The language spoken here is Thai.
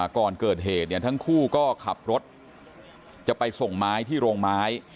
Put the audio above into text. ก่อนเกิดเหตุทั้งคู่ก็ขับรถจะไปส่งไม้ที่โรงไม้